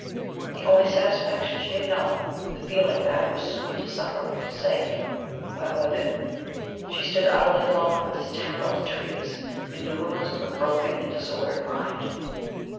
The one satisfaction she had known the feeling that it was sweet to suffer for his sake went with it. She stood utterly alone with this terror of the trees ... mid the ruins of her broken and disordered mind.